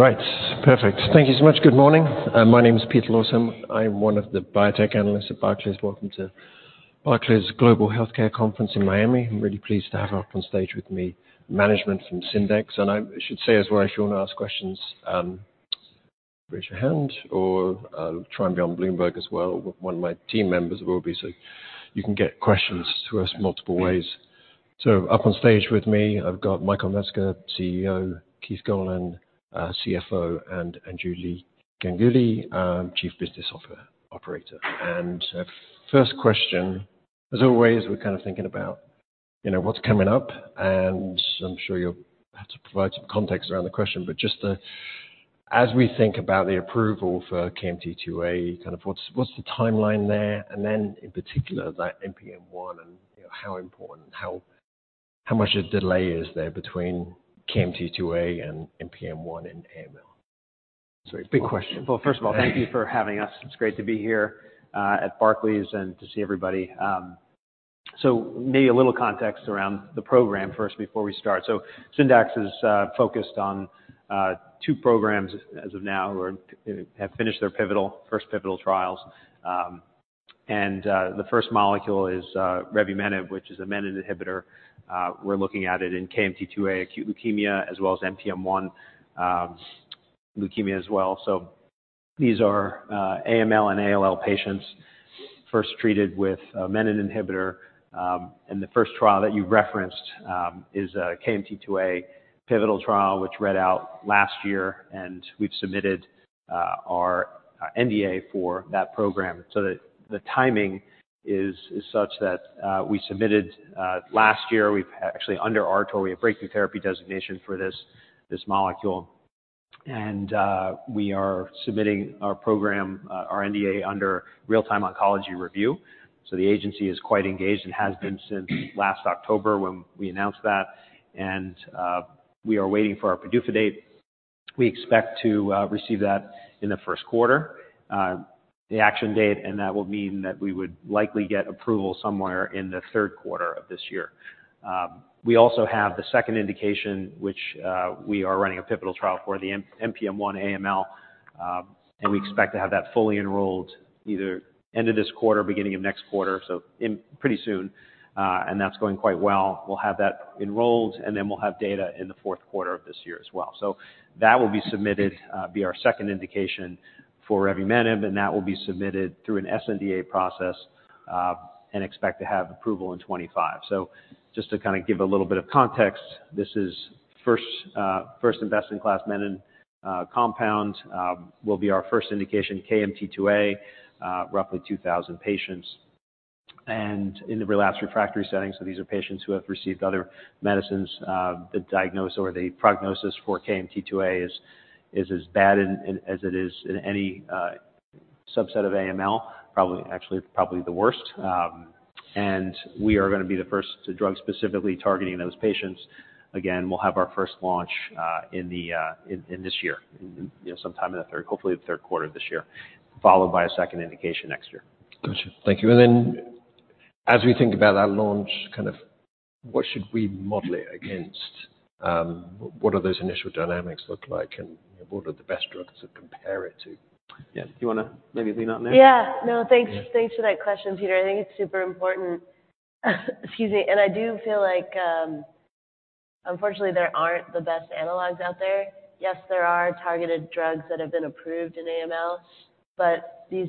Right, perfect. Thank you so much. Good morning. My name is Peter Lawson. I'm one of the biotech analysts at Barclays. Welcome to Barclays Global Healthcare Conference in Miami. I'm really pleased to have up on stage with me management from Syndax, and I should say as well, if you want to ask questions, raise your hand, or try and be on Bloomberg as well. One of my team members will be, so you can get questions to us multiple ways. So up on stage with me, I've got Michael Metzger, CEO; Keith Goldan, CFO; and Anjali Ganguli, Chief Business Officer. First question, as always, we're kind of thinking about what's coming up, and I'm sure you'll have to provide some context around the question. Just as we think about the approval for KMT2A, kind of what's the timeline there, and then in particular that NPM1, and how important, how much a delay is there between KMT2A and NPM1 and AML? So big question. Well, first of all, thank you for having us. It's great to be here at Barclays and to see everybody. Maybe a little context around the program first before we start. Syndax is focused on two programs as of now who have finished their first pivotal trials. The first molecule is revumenib, which is a menin inhibitor. We're looking at it in KMT2A acute leukemia as well as NPM1 leukemia as well. These are AML and ALL patients first treated with menin inhibitor. The first trial that you referenced is a KMT2A pivotal trial which read out last year, and we've submitted our NDA for that program. The timing is such that we submitted last year. We've actually under our RTOR Breakthrough Therapy Designation for this molecule, and we are submitting our program, our NDA, under Real-Time Oncology Review. So the agency is quite engaged and has been since last October when we announced that. We are waiting for our PDUFA date. We expect to receive that in the first quarter, the action date, and that will mean that we would likely get approval somewhere in the third quarter of this year. We also have the second indication, which we are running a pivotal trial for, the NPM1 AML, and we expect to have that fully enrolled either end of this quarter, beginning of next quarter, so pretty soon. And that's going quite well. We'll have that enrolled, and then we'll have data in the fourth quarter of this year as well. So that will be submitted as our second indication for revumenib, and that will be submitted through an sNDA process and expect to have approval in 2025. So just to kind of give a little bit of context, this is first-in-class menin compound. It will be our first indication, KMT2A, roughly 2,000 patients. And in the relapsed refractory setting, so these are patients who have received other medicines. The diagnosis or the prognosis for KMT2A is as bad as it is in any subset of AML, actually probably the worst. And we are going to be the first drug specifically targeting those patients. Again, we'll have our first launch in this year, sometime in the third, hopefully the third quarter of this year, followed by a second indication next year. Gotcha. Thank you. And then as we think about that launch, kind of what should we model it against? What do those initial dynamics look like, and what are the best drugs to compare it to? Yeah. Do you want to maybe lean on there? Yeah. No, thanks for that question, Peter. I think it's super important. Excuse me. I do feel like, unfortunately, there aren't the best analogs out there. Yes, there are targeted drugs that have been approved in AML, but these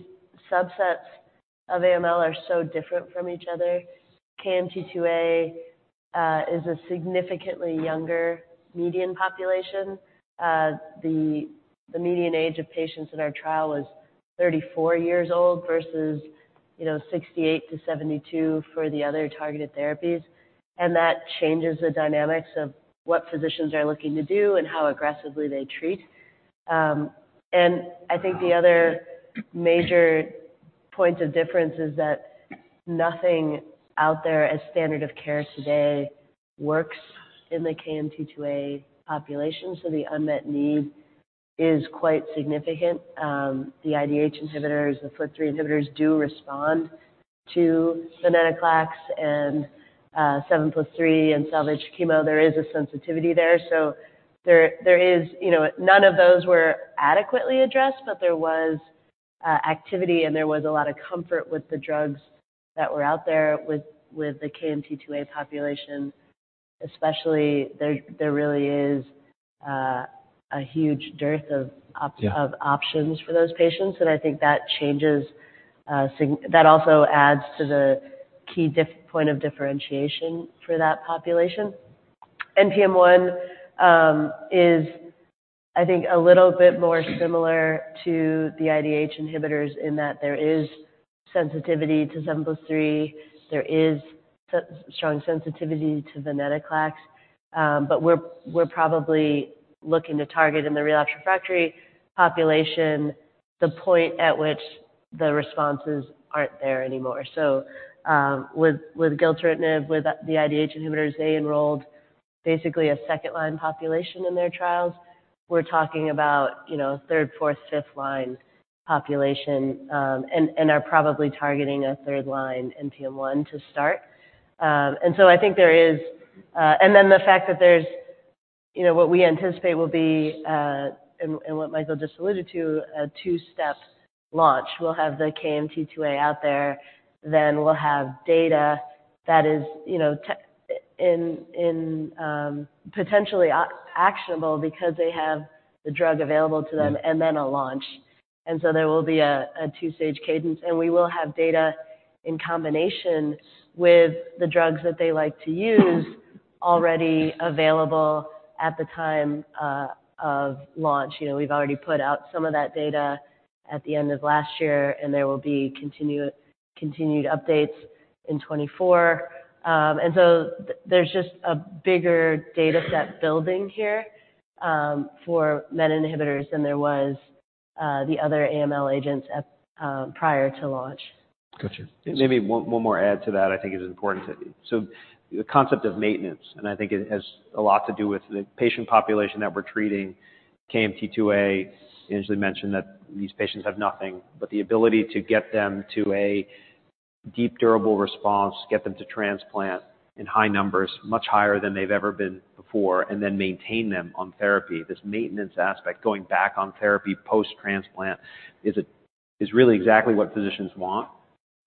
subsets of AML are so different from each other. KMT2A is a significantly younger median population. The median age of patients in our trial was 34 years old versus 68-72 for the other targeted therapies. That changes the dynamics of what physicians are looking to do and how aggressively they treat. I think the other major point of difference is that nothing out there as standard of care today works in the KMT2A population. The unmet need is quite significant. The IDH inhibitors, the FLT3 inhibitors, do respond to venetoclax and 7+3 and salvage chemo. There is a sensitivity there. So there is none of those were adequately addressed, but there was activity, and there was a lot of comfort with the drugs that were out there with the KMT2A population. Especially, there really is a huge dearth of options for those patients. And I think that changes that also adds to the key point of differentiation for that population. NPM1 is, I think, a little bit more similar to the IDH inhibitors in that there is sensitivity to 7+3. There is strong sensitivity to venetoclax. But we're probably looking to target in the relapsed refractory population the point at which the responses aren't there anymore. So with gilteritinib, with the IDH inhibitors, they enrolled basically a second-line population in their trials. We're talking about third, fourth, fifth-line population and are probably targeting a third-line NPM1 to start. And so I think there is, and then the fact that there's what we anticipate will be, and what Michael just alluded to, a two-step launch. We'll have the KMT2A out there. Then we'll have data that is potentially actionable because they have the drug available to them and then a launch. And so there will be a two-stage cadence. And we will have data in combination with the drugs that they like to use already available at the time of launch. We've already put out some of that data at the end of last year, and there will be continued updates in 2024. And so there's just a bigger dataset building here for menin inhibitors than there was the other AML agents prior to launch. Gotcha. Maybe one more add to that. I think it is important to so the concept of maintenance, and I think it has a lot to do with the patient population that we're treating, KMT2A. Anjali mentioned that these patients have nothing but the ability to get them to a deep, durable response, get them to transplant in high numbers, much higher than they've ever been before, and then maintain them on therapy. This maintenance aspect, going back on therapy post-transplant, is really exactly what physicians want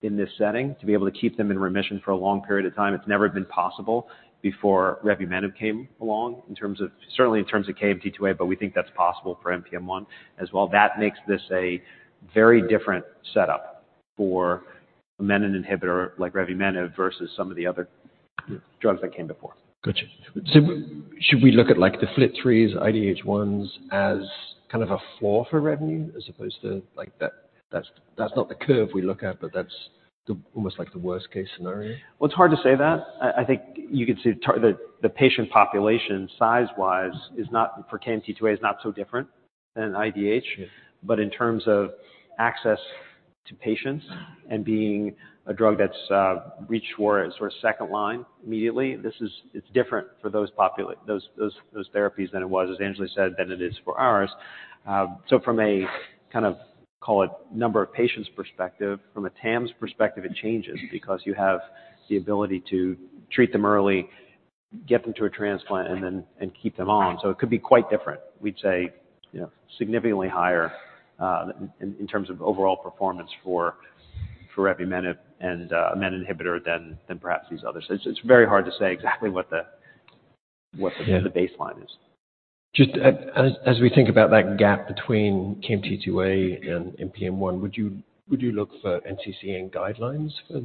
in this setting, to be able to keep them in remission for a long period of time. It's never been possible before revumenib came along, certainly in terms of KMT2A, but we think that's possible for NPM1 as well. That makes this a very different setup for a menin inhibitor like revumenib versus some of the other drugs that came before. Gotcha. So should we look at the FLT3s, IDH1s as kind of a floor for revenue as opposed to that's not the curve we look at, but that's almost like the worst-case scenario? Well, it's hard to say that. I think you could say the patient population size-wise is not for KMT2A, is not so different than IDH. But in terms of access to patients and being a drug that's reached for as sort of second-line immediately, it's different for those therapies than it was, as Anjali said, than it is for ours. So from a kind of, call it, number of patients perspective, from a TAMS perspective, it changes because you have the ability to treat them early, get them to a transplant, and keep them on. So it could be quite different, we'd say, significantly higher in terms of overall performance for revumenib and a menin inhibitor than perhaps these others. It's very hard to say exactly what the baseline is. Just as we think about that gap between KMT2A and NPM1, would you look for NCCN guidelines for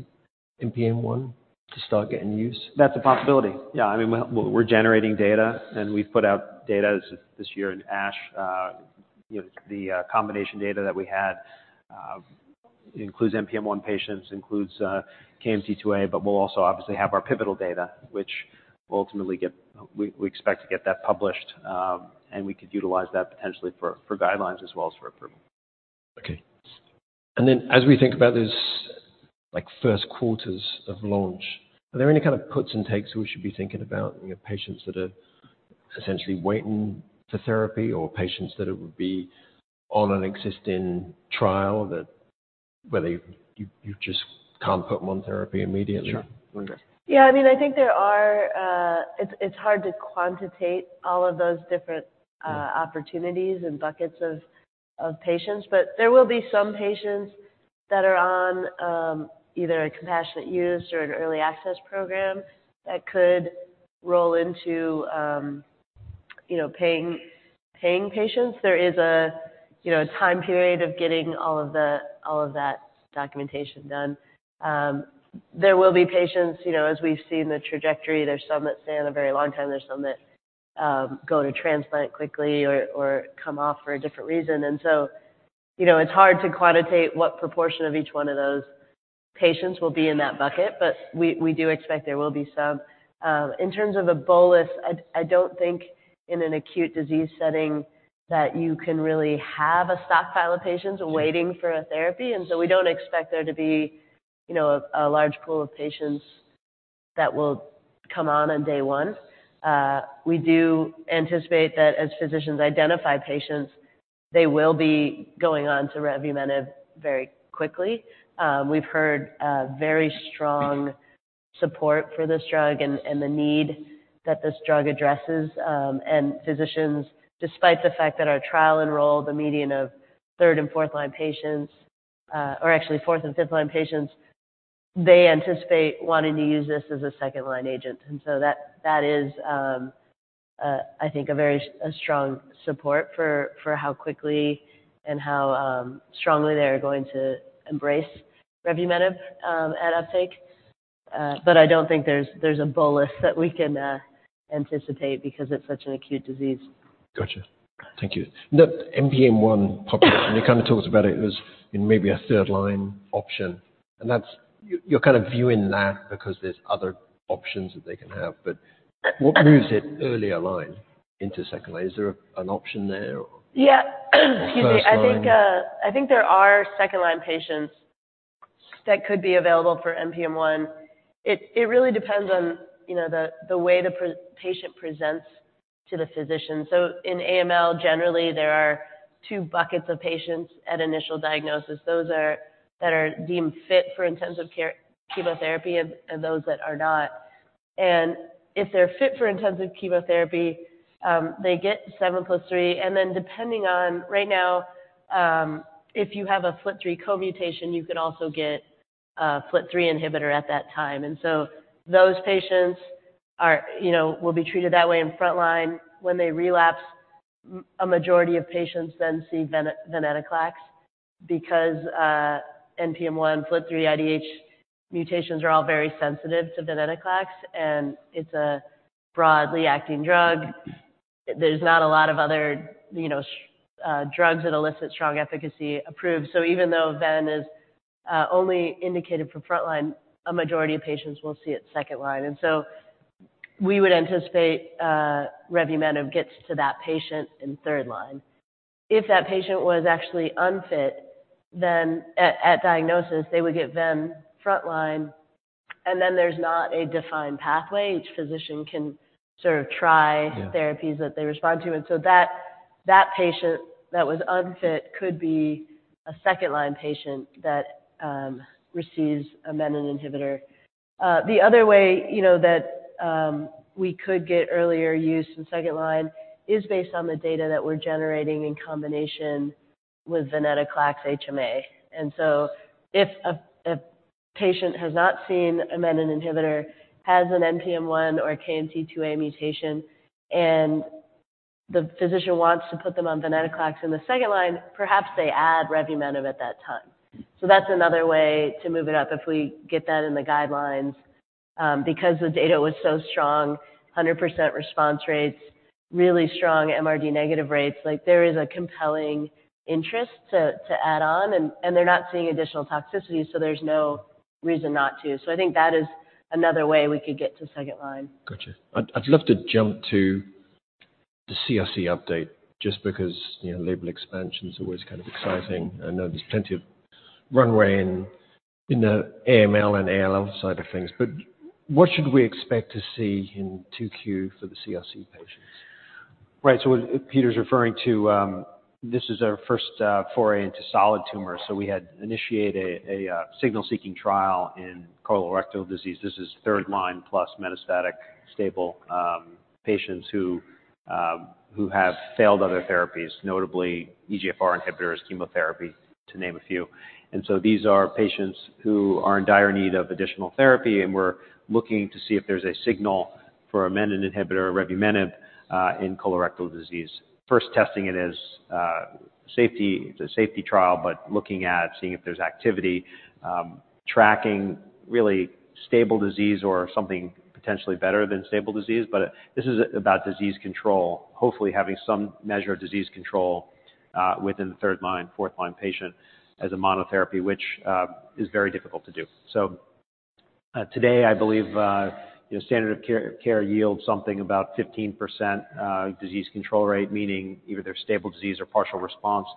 NPM1 to start getting used? That's a possibility. Yeah. I mean, we're generating data, and we've put out data this year in ASH. The combination data that we had includes NPM1 patients, includes KMT2A, but we'll also obviously have our pivotal data, which we'll ultimately get we expect to get that published, and we could utilize that potentially for guidelines as well as for approval. Okay. And then as we think about those first quarters of launch, are there any kind of puts and takes we should be thinking about, patients that are essentially waiting for therapy or patients that would be on an existing trial where you just can't put them on therapy immediately? Sure. One guess. Yeah. I mean, I think there, it's hard to quantitate all of those different opportunities and buckets of patients. But there will be some patients that are on either a compassionate use or an early access program that could roll into paying patients. There is a time period of getting all of that documentation done. There will be patients, as we've seen the trajectory. There's some that stay on a very long time. There's some that go to transplant quickly or come off for a different reason. And so it's hard to quantitate what proportion of each one of those patients will be in that bucket, but we do expect there will be some. In terms of a bolus, I don't think in an acute disease setting that you can really have a stockpile of patients waiting for a therapy. We don't expect there to be a large pool of patients that will come on on day one. We do anticipate that as physicians identify patients, they will be going on to revumenib very quickly. We've heard very strong support for this drug and the need that this drug addresses. And physicians, despite the fact that our trial enrolled a median of third- and fourth-line patients or actually fourth- and fifth-line patients, they anticipate wanting to use this as a second-line agent. And so that is, I think, a very strong support for how quickly and how strongly they are going to embrace revumenib at uptake. But I don't think there's a bolus that we can anticipate because it's such an acute disease. Gotcha. Thank you. The NPM1 population, you kind of talked about it as maybe a third-line option. And you're kind of viewing that because there's other options that they can have. But what moves it earlier line into second-line? Is there an option there? Yeah. Excuse me. I think there are second-line patients that could be available for NPM1. It really depends on the way the patient presents to the physician. So in AML, generally, there are two buckets of patients at initial diagnosis. Those that are deemed fit for intensive care chemotherapy and those that are not. And if they're fit for intensive chemotherapy, they get 7+3. And then depending on right now, if you have a FLT3 mutation, you could also get a FLT3 inhibitor at that time. And so those patients will be treated that way in front line. When they relapse, a majority of patients then see venetoclax because NPM1, FLT3, IDH mutations are all very sensitive to venetoclax, and it's a broadly acting drug. There's not a lot of other drugs that elicit strong efficacy approved. So even though ven is only indicated for front line, a majority of patients will see it second line. And so we would anticipate revumenib gets to that patient in third line. If that patient was actually unfit, then at diagnosis, they would get ven front line. And then there's not a defined pathway. Each physician can sort of try therapies that they respond to. And so that patient that was unfit could be a second-line patient that receives a menin inhibitor. The other way that we could get earlier use in second line is based on the data that we're generating in combination with venetoclax HMA. And so if a patient has not seen a menin inhibitor, has an NPM1 or a KMT2A mutation, and the physician wants to put them on venetoclax in the second line, perhaps they add revumenib at that time. So that's another way to move it up if we get that in the guidelines. Because the data was so strong, 100% response rates, really strong MRD negative rates, there is a compelling interest to add on. And they're not seeing additional toxicity, so there's no reason not to. So I think that is another way we could get to second line. Gotcha. I'd love to jump to the CRC update just because label expansion is always kind of exciting. I know there's plenty of runway in the AML and ALL side of things. But what should we expect to see in 2Q for the CRC patients? Right. So Peter's referring to this is our first foray into solid tumors. So we had initiated a signal-seeking trial in colorectal disease. This is third-line plus metastatic stable patients who have failed other therapies, notably EGFR inhibitors, chemotherapy, to name a few. And so these are patients who are in dire need of additional therapy, and we're looking to see if there's a signal for a menin inhibitor, revumenib, in colorectal disease. First testing it as a safety trial, but looking at seeing if there's activity, tracking really stable disease or something potentially better than stable disease. But this is about disease control, hopefully having some measure of disease control within the third-line, fourth-line patient as a monotherapy, which is very difficult to do. So today, I believe standard of care yields something about 15% disease control rate, meaning either they're stable disease or partial response.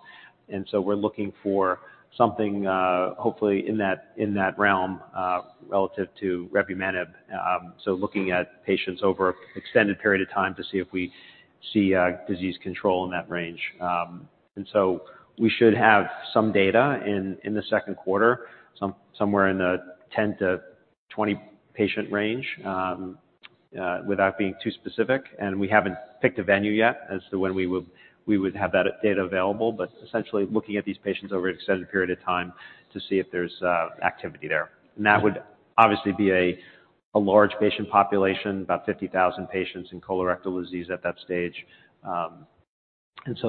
We're looking for something, hopefully, in that realm relative to revumenib. Looking at patients over an extended period of time to see if we see disease control in that range. We should have some data in the second quarter, somewhere in the 10-20 patient range without being too specific. We haven't picked a venue yet as to when we would have that data available. But essentially, looking at these patients over an extended period of time to see if there's activity there. That would obviously be a large patient population, about 50,000 patients in colorectal disease at that stage.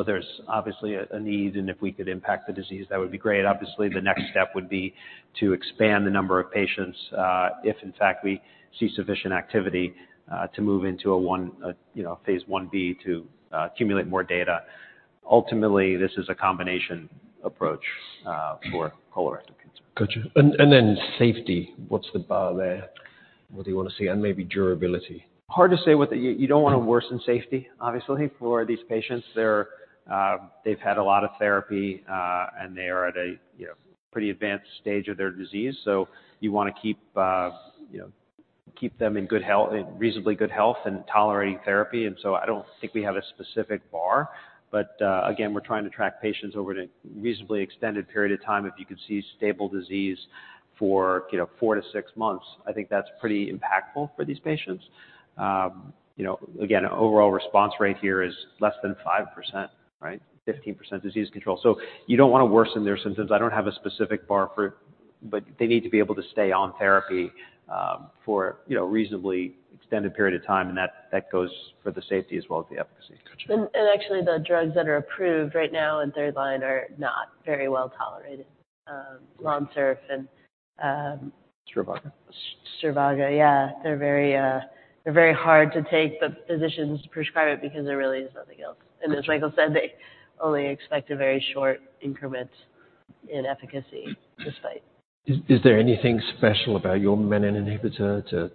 There's obviously a need. If we could impact the disease, that would be great. Obviously, the next step would be to expand the number of patients if, in fact, we see sufficient activity to move into a phase 1B to accumulate more data. Ultimately, this is a combination approach for colorectal cancer. Gotcha. And then safety. What's the bar there? What do you want to see? And maybe durability? Hard to say what you don't want to worsen safety, obviously, for these patients. They've had a lot of therapy, and they are at a pretty advanced stage of their disease. So you want to keep them in reasonably good health and tolerating therapy. And so I don't think we have a specific bar. But again, we're trying to track patients over a reasonably extended period of time. If you could see stable disease for four to six months, I think that's pretty impactful for these patients. Again, overall response rate here is less than 5%, right? 15% disease control. So you don't want to worsen their symptoms. I don't have a specific bar for it, but they need to be able to stay on therapy for a reasonably extended period of time. And that goes for the safety as well as the efficacy. And actually, the drugs that are approved right now in third line are not very well tolerated, Lonsurf and. Stravaga. Stivarga, yeah. They're very hard to take, but physicians prescribe it because there really is nothing else. And as Michael said, they only expect a very short increment in efficacy despite. Is there anything special about your menin inhibitor to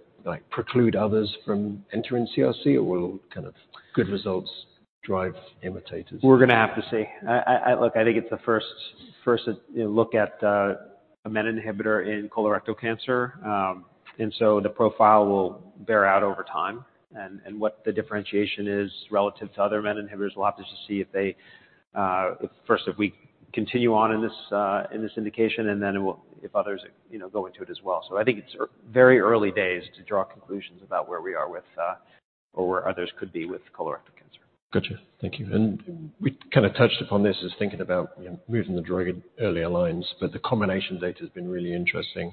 preclude others from entering CRC, or will kind of good results drive imitators? We're going to have to see. Look, I think it's the first look at a menin inhibitor in colorectal cancer. So the profile will bear out over time. What the differentiation is relative to other menin inhibitors, we'll have to just see if they first, if we continue on in this indication, and then if others go into it as well. I think it's very early days to draw conclusions about where we are with or where others could be with colorectal cancer. Gotcha. Thank you. And we kind of touched upon this as thinking about moving the drug in earlier lines, but the combination data has been really interesting.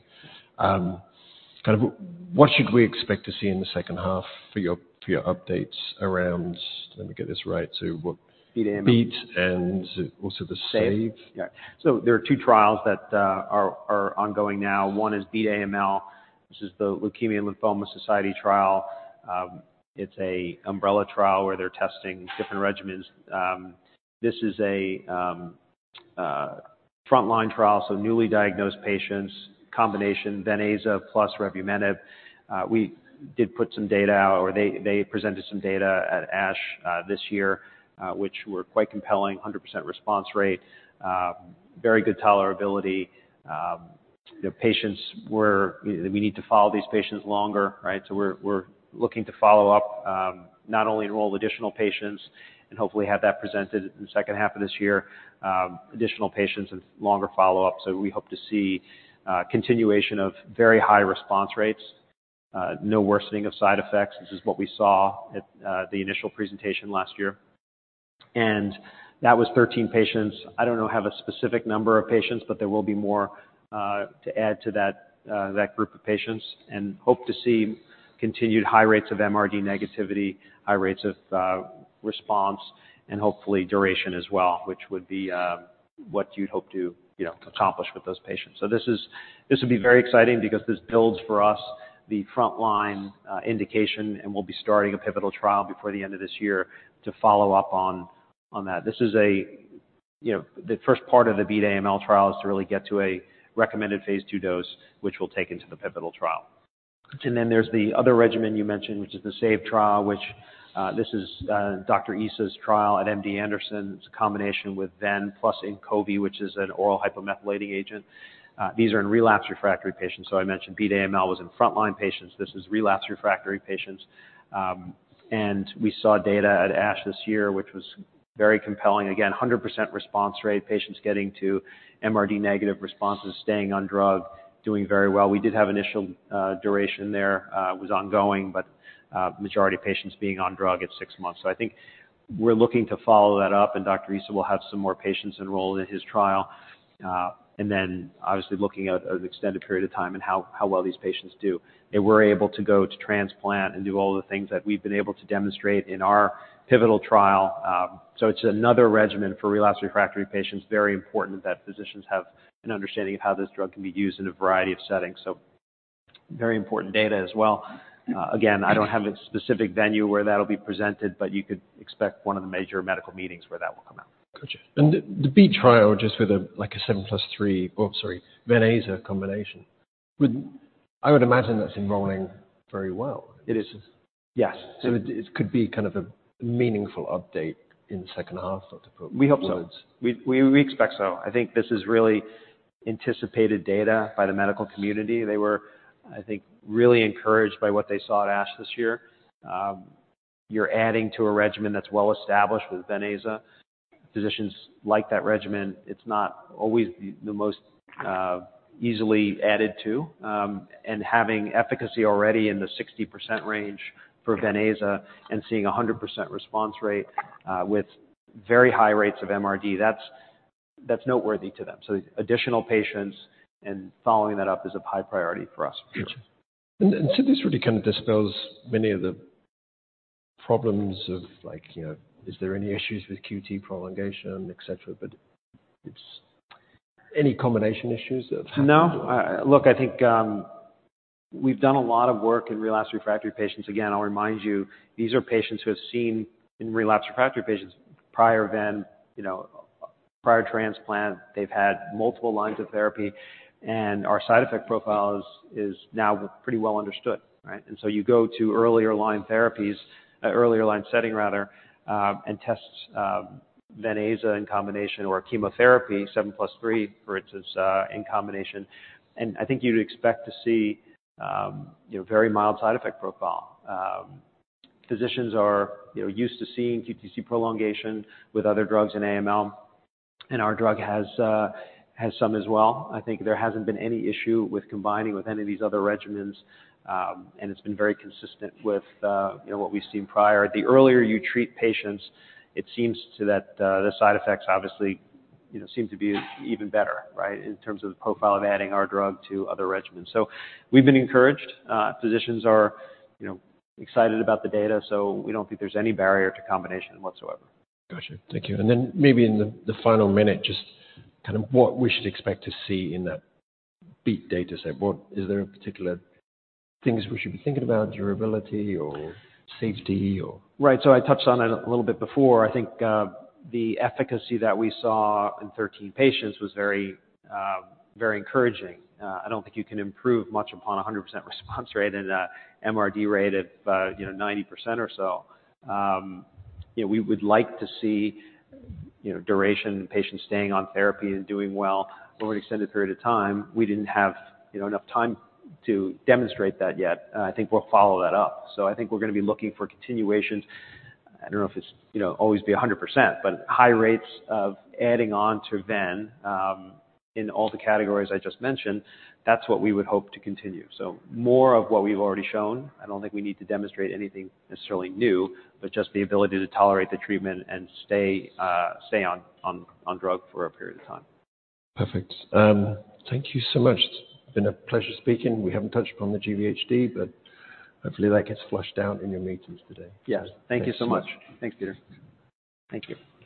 Kind of what should we expect to see in the second half for your updates around let me get this right. So what. Beat AML. Beat and also the SAVE? SAVE, yeah. So there are two trials that are ongoing now. One is Beat AML. This is the Leukemia & Lymphoma Society trial. It's an umbrella trial where they're testing different regimens. This is a front-line trial, so newly diagnosed patients, combination Ven/Aza plus revumenib. We did put some data out, or they presented some data at ASH this year, which were quite compelling, 100% response rate, very good tolerability. Patients were that we need to follow these patients longer, right? So we're looking to follow up, not only enroll additional patients and hopefully have that presented in the second half of this year, additional patients and longer follow-up. So we hope to see continuation of very high response rates, no worsening of side effects. This is what we saw at the initial presentation last year. And that was 13 patients. I don't know the specific number of patients, but there will be more to add to that group of patients and hope to see continued high rates of MRD negativity, high rates of response, and hopefully duration as well, which would be what you'd hope to accomplish with those patients. So this would be very exciting because this builds for us the front-line indication. We'll be starting a pivotal trial before the end of this year to follow up on that. This is the first part of the Beat AML trial is to really get to a recommended phase II dose, which we'll take into the pivotal trial. Then there's the other regimen you mentioned, which is the SAVE trial, which this is Dr. Issa's trial at MD Anderson. It's a combination with ven plus INQOVI, which is an oral hypomethylating agent. These are in relapse refractory patients. So I mentioned Beat AML was in front-line patients. This is relapse refractory patients. And we saw data at ASH this year, which was very compelling. Again, 100% response rate, patients getting to MRD negative responses, staying on drug, doing very well. We did have initial duration there. It was ongoing, but majority patients being on drug at six months. So I think we're looking to follow that up. And Dr. Issa will have some more patients enrolled in his trial. And then obviously, looking at an extended period of time and how well these patients do. They were able to go to transplant and do all the things that we've been able to demonstrate in our pivotal trial. So it's another regimen for relapsed/refractory patients, very important that physicians have an understanding of how this drug can be used in a variety of settings. So very important data as well. Again, I don't have a specific venue where that'll be presented, but you could expect one of the major medical meetings where that will come out. Gotcha. And the BEAT trial, just with a 7+3 oh, sorry, Ven/Aza combination, I would imagine that's enrolling very well. It is. Yes. It could be kind of a meaningful update in the second half, not to put words. We hope so. We expect so. I think this is really anticipated data by the medical community. They were, I think, really encouraged by what they saw at ASH this year. You're adding to a regimen that's well established with Ven/Aza. Physicians like that regimen. It's not always the most easily added to. And having efficacy already in the 60% range for Ven/Aza and seeing a 100% response rate with very high rates of MRD, that's noteworthy to them. So additional patients and following that up is of high priority for us. Gotcha. And so this really kind of dispels many of the problems of is there any issues with QT prolongation, etc.? But any combination issues that have happened? No. Look, I think we've done a lot of work in relapse refractory patients. Again, I'll remind you, these are patients who have seen in relapse refractory patients prior ven, prior transplant. They've had multiple lines of therapy. And our side effect profile is now pretty well understood, right? And so you go to earlier line therapies, earlier line setting, rather, and test Ven/Aza in combination or chemotherapy, 7+3, for instance, in combination. And I think you'd expect to see very mild side effect profile. Physicians are used to seeing QTc prolongation with other drugs in AML. And our drug has some as well. I think there hasn't been any issue with combining with any of these other regimens. And it's been very consistent with what we've seen prior. The earlier you treat patients, it seems that the side effects, obviously, seem to be even better, right, in terms of the profile of adding our drug to other regimens. So we've been encouraged. Physicians are excited about the data. So we don't think there's any barrier to combination whatsoever. Gotcha. Thank you. And then maybe in the final minute, just kind of what we should expect to see in that Beat dataset. Is there a particular things we should be thinking about, durability or safety, or? Right. So I touched on it a little bit before. I think the efficacy that we saw in 13 patients was very encouraging. I don't think you can improve much upon a 100% response rate and an MRD rate of 90% or so. We would like to see duration and patients staying on therapy and doing well over an extended period of time. We didn't have enough time to demonstrate that yet. I think we'll follow that up. So I think we're going to be looking for continuations. I don't know if it's always be 100%, but high rates of adding on to ven in all the categories I just mentioned, that's what we would hope to continue. So more of what we've already shown. I don't think we need to demonstrate anything necessarily new, but just the ability to tolerate the treatment and stay on drug for a period of time. Perfect. Thank you so much. It's been a pleasure speaking. We haven't touched upon the GVHD, but hopefully, that gets flushed out in your meetings today. Yes. Thank you so much. Thanks, Peter. Thank you.